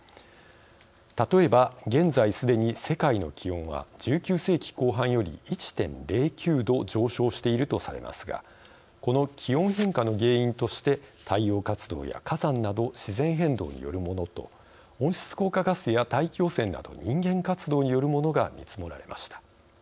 例えば、現在すでに世界の気温は１９世紀後半より１．０９度上昇しているとされますがこの気温変化の原因として太陽活動や火山など自然変動によるものと温室効果ガスや大気汚染など人間活動によるものが見積もられました。